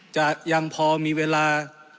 จะยังพอมีเวลา